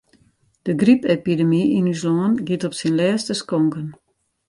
De grypepidemy yn ús lân giet op syn lêste skonken.